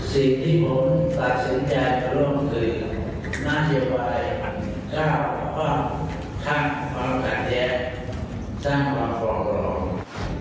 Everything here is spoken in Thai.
สิ่งที่ผมตัดสินใจกับร่วมคือน่าเฉียบไว้กับเจ้าแล้วก็ทักความขัดแย้งสร้างความขอบรอง